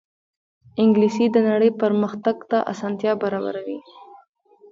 انګلیسي د نړۍ پرمخ تګ ته اسانتیا برابروي